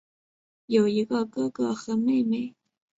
有一个哥哥和妹妹。